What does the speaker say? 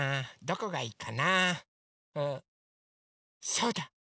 そうだ！